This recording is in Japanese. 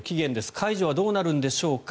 解除はどうなるんでしょうか。